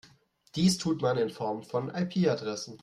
Dies tut man in Form von IP-Adressen.